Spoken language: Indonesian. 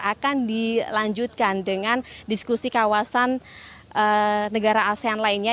akan dilanjutkan dengan diskusi kawasan negara asean lainnya